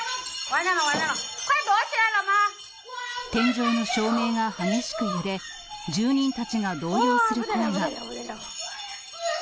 天井の照明が激しく揺れ、住人たちが動揺する声が。